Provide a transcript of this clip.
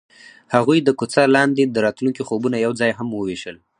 هغوی د کوڅه لاندې د راتلونکي خوبونه یوځای هم وویشل.